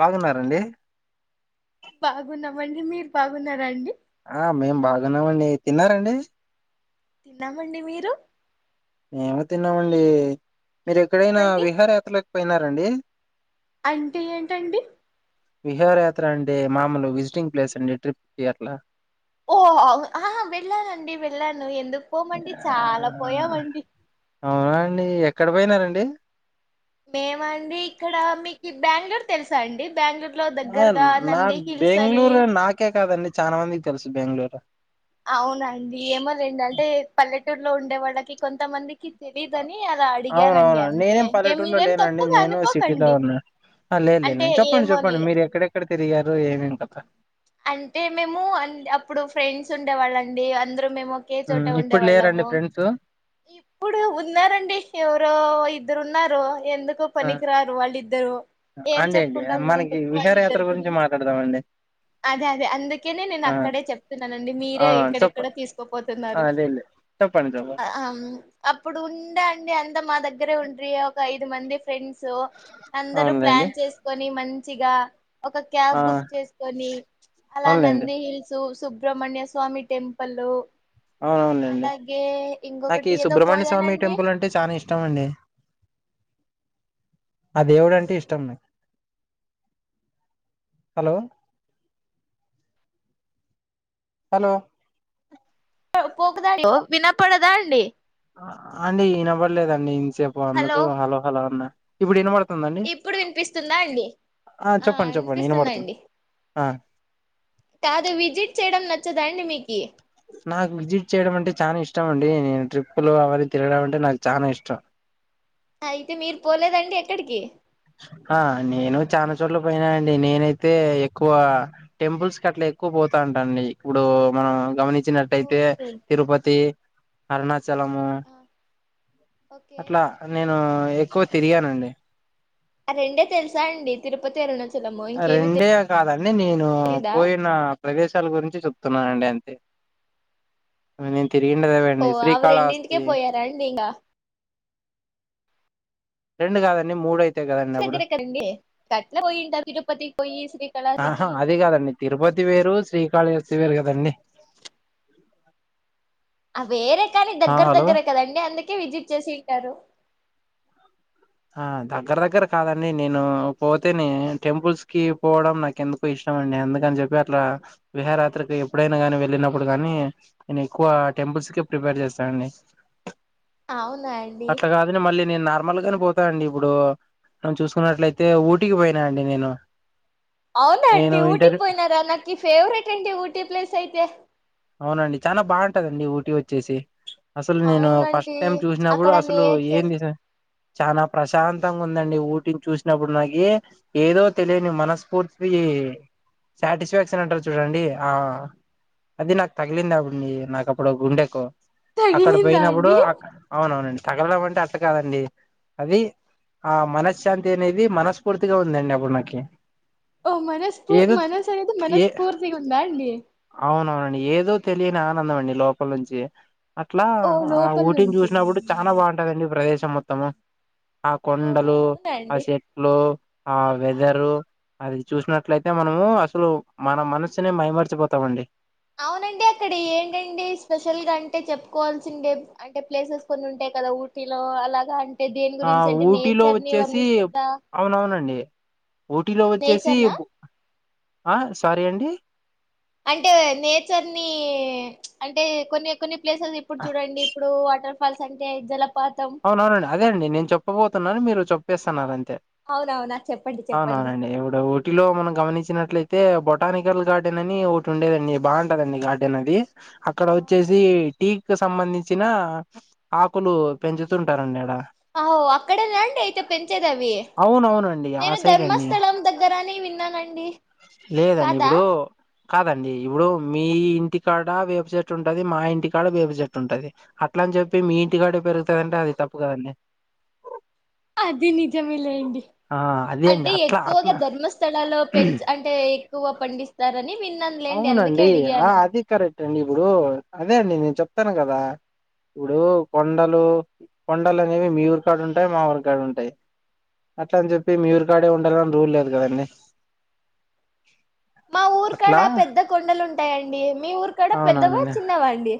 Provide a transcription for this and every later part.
బాగున్నారంండి బాగున్నామండి మీరు బాగున్నారా అండి ఆ మేం బాగున్నామండి తిన్నారండి తిన్నామండి మీరు మేము తిన్నామండి ఇపే మీరు ఏం ఎక్కడైనా తిన్నారండి విహార్ యాత్రలకి పోయినార అండి. అంటే ఏంటండి విహారయాత్ర అండి మామూలు విజిటింగ్ ప్లేస్ అండి ట్రిప్కి అట్లా ఓ ఆ వెళ్ళానండి వెళ్ళాను ఎందుకు పోమండి చాలా ఆ, పోయామండి అవునా అండి ఎక్కడ పోయినారండి మేము అండి ఇక్కడ మీకు బెంగళూరు తెలుసాండి బెంగళూరు లో ఆ దగ్గరగా నా నంది హిల్స్ అని బెంగళూరు నాకే కాదండి చాలా మందికి తెలుసు బెంగళూరు అవునండి ఏమో రండి అంటే పల్లెట న్లో ఉండే వాళ్ళకి కొంతమందికి తెలీదని అలా అడిగానండి అవునవును అంతే నేనేం ఏ పల్లెటూరులో మీరేం లేనండి. తప్పుగా నేను సిటీలో అనుకోకండి ఉన్నా అంటే లేనులేను చెప్పండి. ఏమో చెప్పండి. లే మీరు ఎక్కడెక్కడ తిరిగారు ఏమేం కదా అంటే మేము అండ్ అప్పుడు ఫ్రెండ్స్ ఉండేవాళ్ళ అండి అందరు మేము ఒకే చోట ఉమ్, ఉండే ఇప్పుడు లేరండి వాళ్ళము ఫ్రెండ్స్ ఇప్పుడు ఉన్నారండి ఎవరో ఇద్దరు ఉన్నారు. ర ఎందుకో ఆ పనికిరారు వాళ్ళిద్దరు ఏం అండి అండి చెప్పుకుంటాంలేండి మనకి విహారయాత్ర వాళ్ళిద్దరు గురించి మాట్లాడదామండి అదే అదే అందుకనే నేను ఆ అక్కడే చెప్తున్నానండి. మీరే అవునవును ఎక్కడెక్కడో చెప్పండి తీసుకపోతున్నారు. అదేలే చెప్పండి చెప్పండి ఆ అప్పుడు ఉందా అండి. అంత మా దగ్గరే ఉండ్రి ఒక ఐదు మంది ఫ్రెండ్స్ అందరు అవునులేండి ప్లాన్ చేసుకొని మన్ సిగా ఒక క్యాబ్ ఆ బుక్ చేసి కొన్ని అలా అవునులేండి నంది హిల్స్ సుబ్రమణ్య స్వామి టెంపుల్కు అవును అవునులేండి. నాకి ఇంకొకటి ఈ ఏదో సుబ్రమణ్య స్వామి పోయానండి టెంపుల్ అంటే చాన ఇష్టం అండి. అ దేవుడు అంటే ఇష్టం నాకి హలో హలో పోకుదా లొ వినపడదా అండి అండి ఈ నెంబర్ లేదండి చెప్పు అందుకు హలో హలోహలో అన్నా ఇప్పుడు వినపడు ఇప్పుడు వినిపిస్తుందా అండి ఆ చెప్పండి చెప్పండి వినిపిస్తుంది వినబడుతుంది అండి ఆ కాదు విజిట్ చేయడం నచ్చ నచ్చద అండి మీకి నాకు విజిట్ చేయడం అంటే చాల ఇష్టం అండి నేను ట్రిప్పులు అవన్నీ తిరగడం అంటే నాకు చాల ఇష్టం అయితే మీరు పోలేదండి ఎక్కడికి ఆ నేను చాలా చోట్ల పోయినానండి నేనైతే ఎక్కువ టెంపుల్స్ కి అట్లా ఎక్కువ పోతా అంటా అండి ఇప్పుడు మనం గమని వచ్చినట్టు ఓ అయితే మీరు తిరుపతి అరుణచాలము ఓకే అట్లా నేను ఎ ఎక్కువ తిరిగానండి ఆ రెండే తెలుసా అండి తిరుపతి అరుణాచలం ఆ రెండే కాదండి నేను తెలీదా పోయిన ప్రదేశాల గురించి చెప్తున్నాను అండి అంతే నేనేం తిరిగిండేది ఓ అవేండి అవి రెండింటికే శ్రీకాళహస్తి పోయారా అండి ఇంగా రెండు కాదండి మూడుఐ దగ్గర ఎక్కరండి గట్లా పోయింటది తిరుపతికి పోయి ఆహా శ్రీకాళాతికి పీవర్ కదండి ఆ వేరట్ కానీ ఆ దగ్గర హలో దగ్గరే కదండి అందుకే విజిట్ చేసి ఉంటారు ఆ దగ్గర దగ్గర కాదండి నేను పోతేనే టెంపుల్స్ ఆ దగ్గర దగ్గర కాదండి నేను పోతేనే టెంపుల్స్ కి పోవడం నాకు ఎందుకు ఇష్టం అండి అందుకని చెప్పి అట్లా విహారయాత్రికి ఎప్పుడైనా గాని వెళ్ళినప్పుడు గాని నేను ఎక్కువ టెంపుల్స్ కి ప్రిఫర్ చేస్తానండి ఎందుకు ఇష్టం అఎందుకని చెప్పి అట్లా విహరాత్రికి ఎప్పుడైనా ని వెళ్ళినప్పుడ ప్రిపేర్ చేస్తానుండి అవునా అండి అట్లా కాదు నిను మళ్ళీ నేను నార్ప్ మల్గని బొత్ కదండి ఇప్పుడు నిను చూసుకున్నట్లయితే ఊటికి పోయినా అండి నేను అవునా నేను అండి ఇంటర్ ఊటీకి పోయినారా నాకు ఈ ఫేవరెట్ అండి ఊటీ ప్లేస్ అయితే అవునండి చాలా బాగుంటదండి ఊటీ వచ్చేసి అసలు నేను ఫస్ట్ అవునండి టైం చూసినప్పుడు అక్కడ అసలు నేచర్ ఏంది సార్ చాలా ప్రశాంతంగా ఉందండి ఊటిని చూసినప్పుడు నాకి ఏదో తెలియని మనస్ఫూర్తి సాటిస్ఫాక్షన్ అంటారు చూడండి ఆ అది నాకు తగిలింది అడి నాకు అప్పుడు గుండెకు అక్కడ తగిలిందా పోయినప్పుడు అండి అవునవునండి తగలడం అంటే అంత కాదండి అది ఆ మనశ్శాంతి అనేది మనస్ఫూర్తిగా ఉందండి అప్పుడు నాకి ఓ మనస్పూ ఏదో మనస్సు అనేది ఏ మనస్ఫూర్తిగా ఉందా అండి అవునవునండి ఏదో తెలియని ఆనందం అండి లోపల నుంచి అట్లా ఓ ఆ లోపల ఊటీని నుంచి చూసినప్పుడు చాలా బాగుంటదండి ప్రదేశం స మొత్తమ ఆ ఓ కొండలు ఆ అవునండి చెట్లు ఆ వెదరు అది చూసినట్లయితే మనము అసలు మన మనసునే మైమర్చిపోతు వస్తామండి అవునండి అక్కడ ఏంటండి స్పెషల్ గా అంటే చెప్పుకోవాల్సిండే అంటే ప్లేసెస్ కొన్ని ఉంటాయి కదా ఊటీలో అలాగా అ ఆ ఊటీలో వచ్చేసి అవునవునండి ఊటీలో వచ్చేసి నేచర్ నా ఆ సారీ అండి అంటే నేచర్ ని అంటే కొన్ని కొన్ని ప్లేసెస్ ఇప్పుడు చూడండి ఇప్పుడు వాటర్ ఫల్స్ అంటే జల అవునవునండి అదే అండి నేను చెప్పబోతున్నాను మీరు చెప్ప పేసన్నారంత అవునవునా చెప్పండి చెప్పండి అవునవునండి ఇప్పుడ టిలో మనం గమనించినట్లయితే అయితే బొటానికల్ గార్డెన్ అని ఒకటి ఉండేదండి బాగుంటదండి గార్డెన్ అది అక్కడ వచ్చేసి అవునండి టీ సంబంధించి ఇచ్చిన ఆకులు పెంచుతుంటారండిడ అో అక్కడేనండి అయితే పెంచేది అవి అవునవునండి ఆ నేను సైడ్ అండి ధర్మస్థలం దగ్గరని విన్నానండి లేదండి కాదా ఇప్పుడు కాదండి ఇప్పుడు మీ ఇంటికాడ వేప చెట్టు ఉంటుంది మా ఇంటికాడ వేప చెట్టు ఉంటుది అట్ల అని చెప్పి మీ ఇంటికాడ పెరుగు వెంట అది తప్పుగాదండి అది నిజమే లేండి అదే అండి అంటే అట్లా ఎక్కువగా అట్లా ధర్మస్థలాలో పెంచ అంటే ఎక్కువ పండిస్త తరని అవునండి ఆ అది కరెట్ అండి ఇప్పుడు అదే అండి నేను చెప్తాను కదా ఇప్పుడు కొండలు కొండలు అనేవి మీ ఊరికాడు ఉంటాయి మా ఊరికాడు ఉంటాయి అట్ల అని చెప్పి మీ ఊరికాడే ఉండాలని రూల్ లేదు కదండడి మా ఊరు క్కడ పెద్ద కొండలు ఉంటాయండి మీ ఊరు కడ పెద్దవా అవునవునండి చిన్నవా అండి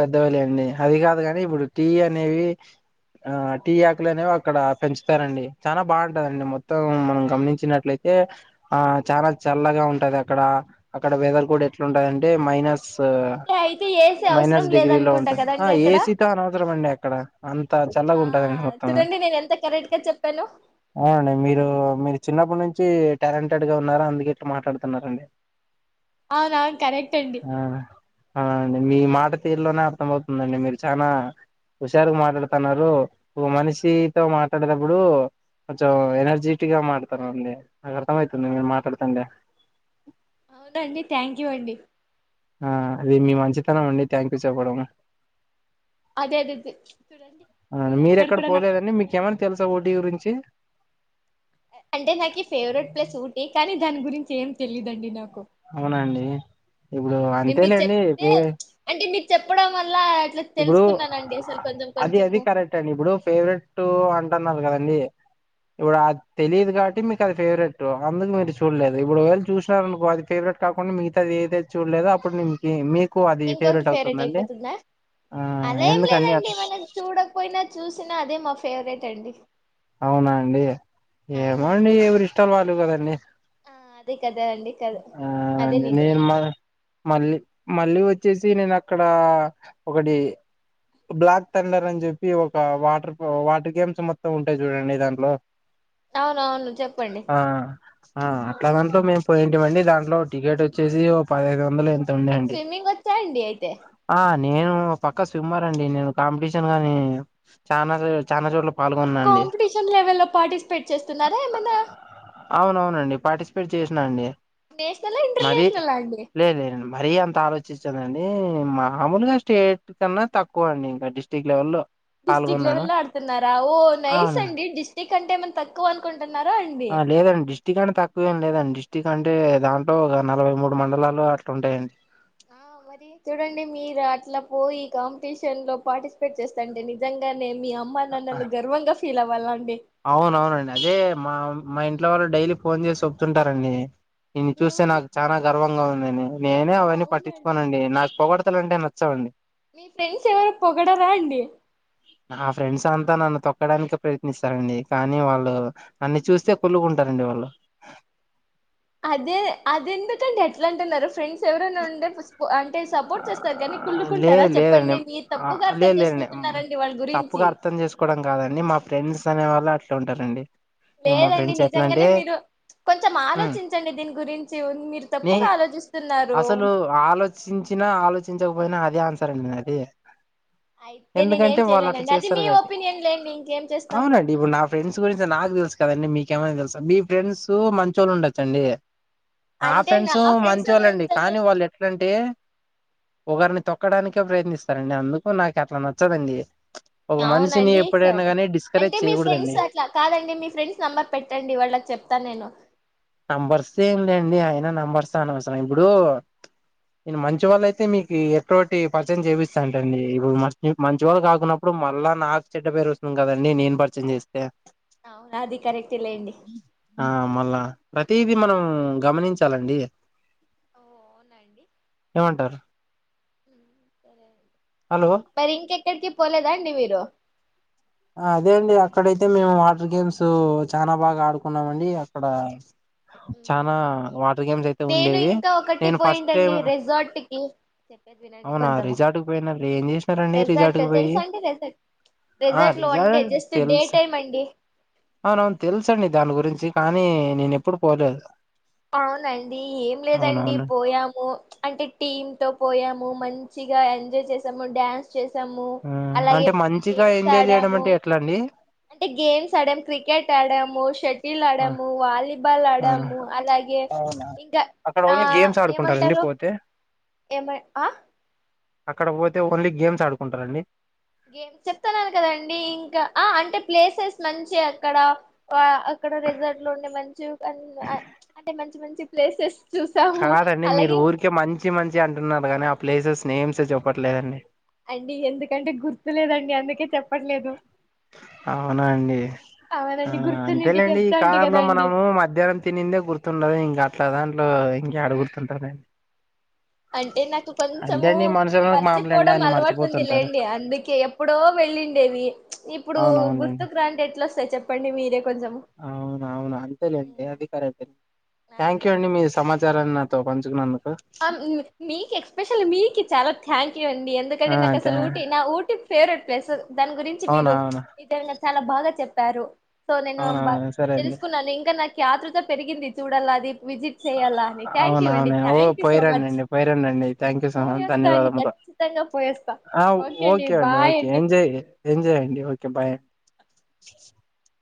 పెద్దవలే అండి అది కాదుగాని ఇప్పుడు టీ అనేవి ఆ టీ ఆకులు అనేవి అక్కడ పెంచుతారండి చాలా బాగుంటదండి మొత్తం మనం గమనించినట్లయితే ఆ చాలా చల్లగా ఉ ఉంటది అక్కడ అక్కడ వెదర్ కూడా ఎట్లాంటంది అంటే మైనస్ అంటే అయితే ఏసీ అవసరం మైనస్ డిగ్రీలో లేదనుకుంటా ఉంటంది కదండి అక్కడ ఏసీతో అనవసరం అండి అక్కడ అంతా చల్లగా ఆ ఉంటందిండి మొత్తం చూడండి నేను ఎంత కరెక్ట్ గా చెప్పానో అవునండి మీరు మీరు చిన్నప్పటి నుంచి టాలెంటెడ్ గా ఉన్నారా అందుకేట్లా మాట్లాడుతున్నారండి అవునావును కరెక్ట్ అండి ఆం మీ మాట తీరులోనే అర్థం అవుతుందండి మీరు చాలనా హుషారుగా మాట్లాడుతున్నారు ఓ మనిషితో మాట్లాడేటప్పుడు కొంచెం ఎనర్జెటిక్ గా మాడుతానుండి నాకు అర్థంమవుతుంది మీరు మాట్లాడుతండి అవునండి థ్యాంక్ యూ అండి ఆ అది మీ మంచితనం అండి థ్యాంక్ యూ చెప్పడం అదే అదే చూడండి అవునండి మీరు అక్కడ మీరెక్కడ కూడా పోలేదండి మీకేమైనా తెలుసా ఊటీ గుర్తిస్తున్నారు గురించి అంటే నాకు ఈ ఫేవరెట్ ప్లేస్ ఒకటి కానీ దాని గురించి ఏం తెలీయదుండి నాకు అవునండి ఇప్పుడు అవునండి మీరు అంతేలేండి చెప్తే అంటే మీరు చెప్పడం వల్ల అట్లా ఇప్పుడు తెలుసుకున్నానండి అసలు కొంచెం అది అది కొంచెము కరెక్ట్ అండి ఇప్పుడు ఫేవరెట్ అంట కదండి ఇప్పుడుది తెలియదు కాబట్టి మీకు అది ఫేవరెట్ అందుకు మీరు చూడలేదు ఇప్పుడు వళ్ళి చూసినార అనుకో అది ఫేవరెట్ కాకుండా మిగతా అది ఏదై చూడలేదు అప్పుడు కు అది ఇంకొకటి ఫేవరెట్ అవుతుందండి. అయిపోతుందా ఆ అదేం ఎందుకండి లేదండి. అట్లా మనం చూడకపోయినా చూసినా అదే మా ఫేవరెట్ అండి. అవునా అండి ఏమోండి అవునండి ఎవరి ఇష్టాలు వాళ్ళు ఉన్నదండి. ఆ అదే కదా అండి కదా ఆ అదే నిజం నేను మ మళ్ళీ మళ్ళీ వ వచ్చేసి నేను అక్కడ ఒకటి బ్లాక్ థండర్ అని చెప్పి ఒక వాటర్ వాటర్ గేమ్స్ మొత్తం అంటే చూడండి దాంట్లో అవున అవును చెప్పండి లెవెన్ లో మే పోయింటింమండి దాంట్లో టికెట్ వచ్చేసి ఓ పదిహైదు వంద్ ఎంత మీకు ఉండేడి స్విమ్మింగ్ వచ్చా అండి అయితే ఆ నేను పక్క స్విమ్మర్ అండి నేను కాంపిటీషన్ గానీ చాలా రోజులు చాలా చోట్ల పాల్గొనండి. కాంపిటేషన్ లెవెల్లో పార్టిసిపేట్ చేస్తున్నారా ఏమైనా అవునవునండి పార్టిసిపేట్ చేసినా అండి. నేషనలా మరీ ఇంటర్నేషనలా అండి లేలే మరీ అంత ఆలోచించ [unintelligible] మామూలుగా స్టేట్ కన్నా తక్కువ అండి ఇంకా డిస్ట్రిక్ లెవెల్ల్లో డిస్ట్రిక్ లవెల్లో ఆడుతున్నారా ఓ నైస్ అవునా అండీ డిస్టిక్ట్ కంటే ఏమైనా తక్కువ అనుకుంట లేదండి డిస్టిక్ అంటే తక్కువ ఏం లేదండి. కంటే దాంట్లో ఒక నలభై మూడు మండలాలు అట్లాంటాయండి. ఆ మరి చూడండి మీరు అట్లా పోయి కాంపిటీషన్ లో పార్టిసిపేట్ చేస్తంటే నిజంగా నేను మీ అమ్మ ఆ నాన్నలు గర్వంగా ఫీల్ అవ వాళ్ళను అవునవునండి అదే మా మా ఇంట్లో వాళ్ళు డైలీ ఫోన్ చేసి చెప్తుంటారండి. నిన్ను చూస్తే ఏమని నాకు చానా గర్వంగా ఉందని నేనే ఓ అవన్నీ అవునండి పట్టించుకోనండి. నాకు పొగడతా పొగడ్తలు అంటే నచ్చావ్ అండి. మీ ఫ్రెండ్స్ ఎవరో పొగడరా అండి. నా ఫ్రెండ్స్ అంతా నన్ను తొక్కడానికి ప్రయత్నిస్త స్తారండి కానీ వాళ్ళు నన్ను చూస్తే కులుకుంటారండి. వాళ్ళు అదే అది ఎందుకంటే ఎట్లా అంటున్నారు ఫ్రెండ్స్ ఎవరైనా ఉంటే అంటే ఆ సపోర్ట్ చేస్తారు. కానీ కుళ్లుకుంటారా లేదు లేదండి చెప్పండి. మీరు ఆ తప్పుగా అర్థం లేదు లేదండి మ్, చేసుకుంటున్నారండి వాళ్ళ తప్పుగా గురించి అర్థం ట్లా ఉంటారండి ఇక మా లేదండి ఫ్రెండ్స్ ఎట్లా అంటే నిజంగానే మీరు కొంచెం ఆలోచించండి దీని గురించి మీరు నీ తప్పుగా ఆలోచిస్తున్నారు అసలు ఆలోచించినా ఆలోచించకపోయినా అదే ఆన్సర్ అండి అది అయితే ఎందుకంటే నేనేం వాళ్ళు అట్లా చేయలేనండి అది చేస్తారు మీ కాబట్టి ఒపీనియన్ లేండి ఇంకేం చేస్తాం అవునండి ఇప్పుడు నా ఫ్రెండ్స్ గురించి నాకు తెలుసు కదండి మీకు మైనా తెలుసా మీ ఫ్రెండ్స్ మంచోళ్ళు ఉండొచ్చండి నా ఫ్రెండ్స్ మంచి వాళ్ళండి కానీ వాళ్ళు ఎట్లంటే ఒకరిని తొక్కడానికే ప్రయత్నిస్తారండి అందుకు నాకు అట్లా నచ్చదండి ఒక మనిషిని అవునండి ఎప్పుడైనా సరే కానీ డిస్కరేజ్ అంటే మీ ఫ్రెండ్స్ చేయకూడదండి అట్లా కాదండి మీ ఫ్రెండ్స్ నెంబర్ పెట్టండి వాళ్ళకి చెప్తాను. నేను నంబర్స్ ఏం లేండి. అయిన నెంబర్స్ అనవసరం ఇప్పుడు నేను మంచి వాళ్ళ అయితే మీకు ఎటువంటి పరిచయం చేయిపిస్తాంటండి ఇప్పుడు మ మంచివాళ్ళు కాకున్నప్పుడు మళ్ళా నాకు చెడ్డ పేరు వస్తుంది కదండి. నేను పరిచయం చేస్తే అవును అది కరెక్ట్ లేండి ఆ మళ్ళా ప్రతిదీ మనం గమనించాలండి ఓ అవునండి ఏమంటారు సరే హలో మరి ఇంకెక్కడికి పోలేదా అండి మీరు అదే అండి అక్కడైతే మేము వాటర్ గేమ్స్ చాలా బాగా ఆడుకున్నామ అండి అక్కడ చాలా వాటర్ గేమ్స్ అయితే నేను ఉండేవి ఇంకా ఒకటి నేను ఫస్ట్ టైం పోయింటండి రెసార్ట్ కి చెప్పేది వినండి అవునా కొంచెము రిజార్ట్ క పోయిన ఏం చేసినారంండి రెసార్ట్ రిజార్ట్ క పోయి తెలుసా అండి రెసార్ట్ ఆ రెసార్ట్ లో one day result just day తెలుసు టైమ్ అండి అవున అవును తెలుస అండి దాని గురించి కానీ నేను ఎప్పుడు పోలేదు అవునండి ఏం లేదండి అవునవును పోయాము అంటే టీమ్ తో పోయాము ము మంచిగా ఎంజాయ్ చేసాము డ్యాన్స్ చేసాము ఉమ్ అలాగే అంటే మంచిగా గేమ్స్ ఎంజాయ్ చేయడం ఆడాము అంటే ఎట్లా అండి అంటే గేమ్స్ ఆడాము క్రికెట్ ఆడాము షట్ ల్ ఆ ఆడము వాలీబాల్ ఆ ఆడాము అలాగే అవునా ఇంకా అక్కడ ఆ ఓన్లీ గేమ్స్ ఆడుకుంటారండి ఏమంటారు పోతే ఏమ ఆ అక్కడ పోతే ఓన్లీ గేమ్స్ ఆడుకుంటారండి గేమ్ చెప్తున్నాను కదండి ఇంకా అంటే ప్లేసెస్ మంచి అక్కడ అక్కడ రెజార్ట్ లో ఉండే మంచి ఆ అంటే మంచి మంచి ప్లేసెస్ చూసాము కాదండి మీరు అలాగే ఊరికే మంచి మంచి అంటున్నారు కానీ ప్లేసెస్ నేమ్స్ చెప్పట్లేదండి అండి ఎందుకంటే గుర్తులేదండి అందుకే చెప్పట్లేదు అవునా అండి ఆ అవునండి గుర్తునింటే అంతేలేండి ఈ చెప్తా అంటి కాలంలో కదండి మనము మధ్యాహ్నం తినిందే గుర్తుండదు ఇంకా ఆట్లా దాంట్లో ఇంక అడుగుడుతుంటారంండి అంటే నాకు కొంచము మనుషులకు మామూలండి పరిచిపోవడం అన్ని అలవాటు ఉంది మర్చిపోతుంటారు లేండి అందుకే ఎప్పుడో వెళ్ళిండేవి ఇప్పుడు అవునవునండి గుర్తుకు్రాంటట్ ఎట్లా సార్ చెప్పండి మీరే కొంచెం అవున అవును ఉ అంతేలేండి అది కరెక్ట్ అంటడి థ్యాంక్ అదే యూ అండి మీ సమాచారాన్ని తో పంచుకు న్నను ఆ మీకు ఎక్స్పెషల్ మీకి చాలా థ్యాంక్ యూ అండి ఆ ఎందుకంటే నాకు అసలు ఊటీ నా ఊటీ ఫేవరెట్ పసదు దాని గురించి అవును మీరు అవును ఈదంగా చాలా బాగా చెప్పారు సో నేను అవునవును సరే అండి తెలుసుకున్నాను ఇంకా నాకు ఆత్రృత పెరిగింది చూడల్లాది విజిట్ చేయాలా అని థ్యాంక్యూ అండి థ్యాంక్యూ పోయి రండి అండి పోయిరడిండి థ్యాంక్ యూ సో మ పోయేస్తా అండి ధన్యవాదము ఖచ్చితంగా పోయేస్తా ఆ ఓకే అండి బాయ్ ఓకే ఎంజాయ్ ఎంజాయ్ అండి ఓకే బాయ్ [inaudible]